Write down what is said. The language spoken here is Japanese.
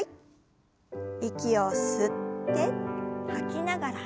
息を吸って吐きながら横へ。